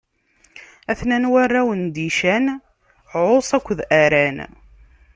A-ten-an warraw n Dican: Ɛuṣ akked Aran.